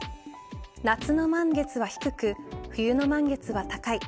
夏の満月は低く冬の満月は高い。